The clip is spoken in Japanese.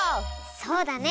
そうだね！